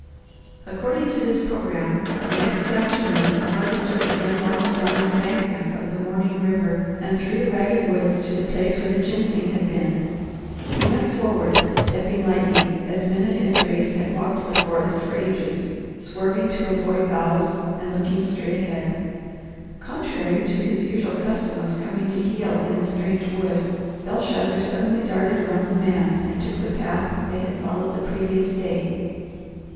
According to this programme, the next afternoon the Harvester again walked down the embankment of the mourning river and through the ragged woods to the place where the ginseng had been. He went forward, stepping lightly, as men of his race had walked the forest for ages, swerving to avoid boughs, and looking straight ahead. Contrary to his usual custom of coming to heel in a strange wood, Belshazzar suddenly darted around the man and took the path they had followed the previous day.